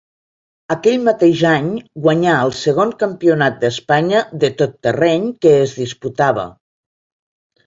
Aquell mateix any, guanyà el segon Campionat d'Espanya de Tot-Terreny que es disputava.